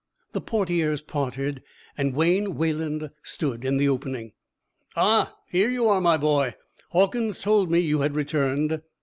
The portieres parted, and Wayne Wayland stood in the opening. "Ah, here you are, my boy! Hawkins told me you had returned."